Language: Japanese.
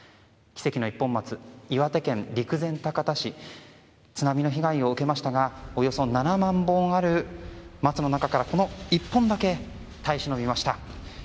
奇跡の一本松、岩手県陸前高田市津波の被害を受けましたがおよそ７万本ある松の中からこの１本だけ耐え忍びました。